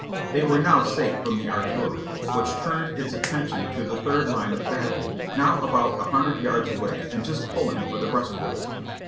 They were now safe from the artillery, which turned its attention to the third line of battle, now about a hundred yards away and just pulling for the breastworks.